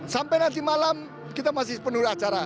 sampai nanti malam kita masih penuh acara